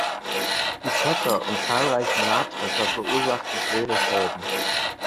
Die Treffer und zahlreiche Nahtreffer verursachten schwere Schäden.